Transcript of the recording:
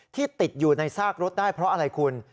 ติดอยู่ในซากรถได้เพราะอะไรคุณ